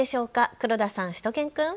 黒田さん、しゅと犬くん。